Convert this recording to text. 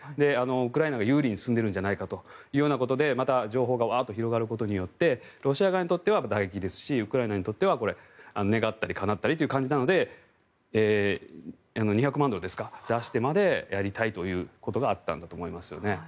ウクライナが有利に進んでいるんじゃないかということでまた情報がワッと広がることによってロシア側にとっては打撃ですしウクライナにとっては願ったりかなったりという感じなので２００万ドル出してまでやりたいということがあったんだと思いますね。